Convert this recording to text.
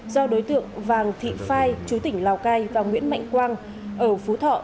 do đối tượng vàng thị phai chú tỉnh lào cai và nguyễn mạnh quang ở phú thọ